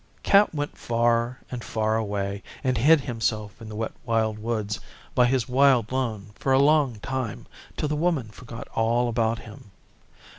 Cat went far and far away and hid himself in the Wet Wild Woods by his wild lone for a long time till the Woman forgot all about him.